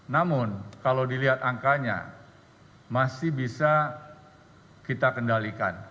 namun kalau dilihat angkanya masih bisa kita kendalikan